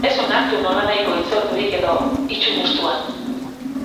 Ez onartu nolanahiko hitzordurik edo itsumustuan!